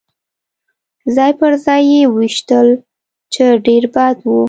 ځای پر ځای يې وویشتل، چې ډېر بد و.